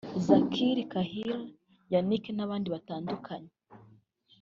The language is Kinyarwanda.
Zakri Krahiré Yannick n’abandi batandukanye